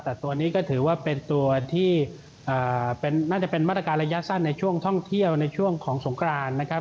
แต่ตัวนี้ก็ถือว่าเป็นตัวที่น่าจะเป็นมาตรการระยะสั้นในช่วงท่องเที่ยวในช่วงของสงครานนะครับ